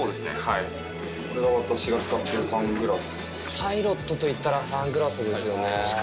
パイロットといったらサングラスですよね。